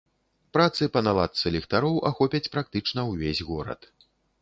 Працы па наладцы ліхтароў ахопяць практычна ўвесь горад.